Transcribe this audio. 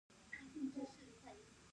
یاقوت د افغانستان د طبیعت د ښکلا برخه ده.